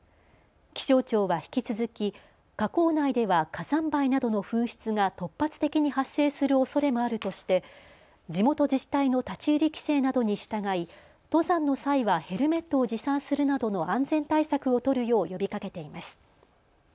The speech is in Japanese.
気象庁は引き続き火口内では火山灰などの噴出が突発的に発生するおそれもあるとして地元自治体の立ち入り規制などに従い登山の際はヘルメットを持参するなどの安全対策を取るよう呼びかけています。